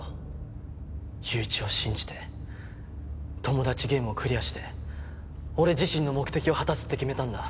友一を信じてトモダチゲームをクリアして俺自身の目的を果たすって決めたんだ。